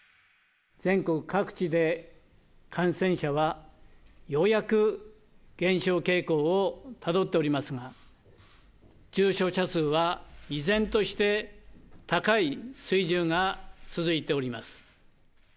全国各地で感染者はようやく減少傾向をたどっておりますが、重症者数は依然として高い水準が続いております。